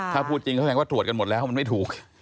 ถ้าพูดจริงก็แสดงว่าตรวจกันหมดแล้วมันไม่ถูก